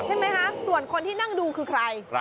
ใช่ไหมคะส่วนคนที่นั่งดูคือใคร